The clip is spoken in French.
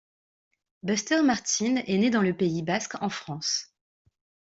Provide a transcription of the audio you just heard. Buster Martin est né dans le Pays basque en France.